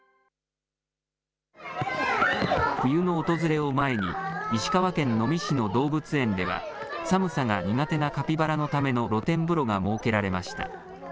冬の訪れを前に、石川県能美市の動物園では、寒さが苦手なカピバラのための露天風呂が設けられました。